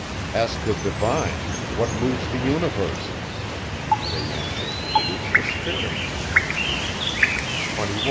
Ask the divines, what moves the universe? They answer, it is a spirit. 21.